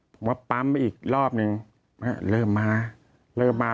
ปั๊มอีกรอบหนึ่งเริ่มมา